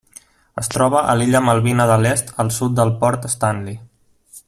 Es troba a l'illa Malvina de l'Est al sud del port Stanley.